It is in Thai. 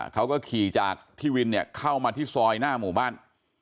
เขาก็ขี่จากพี่วินเนี่ยเข้ามาที่ซอยหน้าหมู่บ้าน